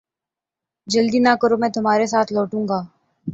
جلدی نہ کرو میں تمھارے ساتھ لوٹوں گا